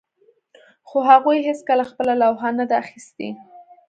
خو هغوی هیڅکله خپله لوحه نه ده اخیستې